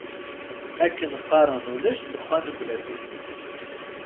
Akken qqaren ulac ddexxan bla times.